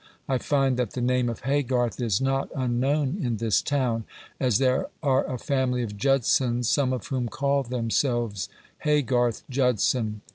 I find that the name of Haygarth is not unknown in this town, as there are a family of Judsons, some of whom call themselves Haygarth Judson.